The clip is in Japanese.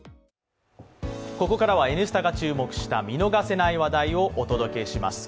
ここからは「Ｎスタ」が注目した見逃せない話題をお届けします。